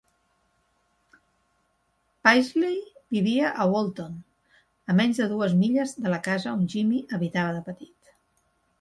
Paisley vivia a Woolton, a menys de dues milles de la casa on Jimmy habitava de petit.